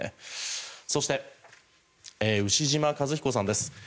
そして、牛島和彦さんです。